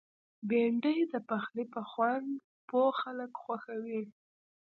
بېنډۍ د پخلي په خوند پوه خلک خوښوي